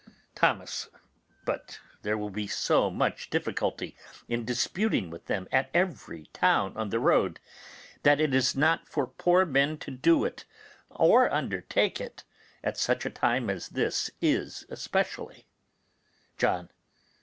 Thomas. But there will be so much difficulty in disputing with them at every town on the road that it is not for poor men to do it or undertake it, at such a time as this is especially. John.